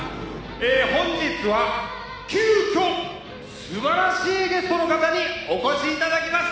「本日は急きょ素晴らしいゲストの方にお越し頂きました」